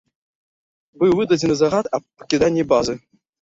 Быў выдадзены загад аб пакіданні базы.